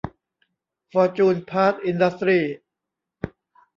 ฟอร์จูน พาร์ท อินดัสตรี้